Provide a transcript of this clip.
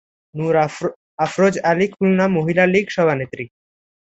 নূর Afroz Ali Khulna Mahila League সভানেত্রী।